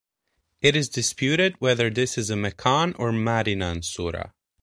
It is disputed whether this is a Meccan or Madinan sura.